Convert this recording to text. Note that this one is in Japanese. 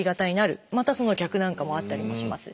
またその逆なんかもあったりもします。